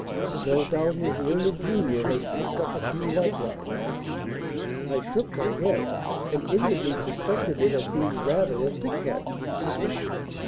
No doubt his learned junior has picked up a few likewise?" I shook my head and inwardly suspected it of being rather a thick head.